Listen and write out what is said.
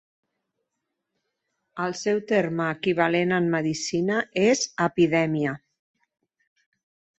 El seu terme equivalent en Medicina és epidèmia.